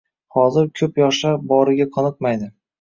Hozir ko‘p yoshlar boriga qoniqmaydi.